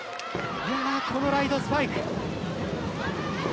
このライドスパイク。